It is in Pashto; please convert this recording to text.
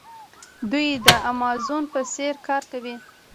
دوی د امازون په څیر کار کوي.